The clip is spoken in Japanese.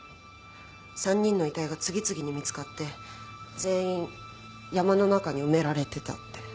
３人の遺体が次々に見つかって全員山の中に埋められてたって。